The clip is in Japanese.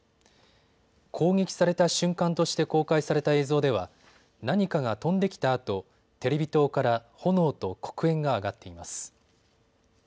攻撃された瞬間として公開された映像では何かが飛んできたあとテレビ塔から炎と黒煙が上がっています。